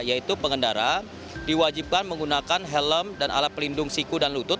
yaitu pengendara diwajibkan menggunakan helm dan alat pelindung siku dan lutut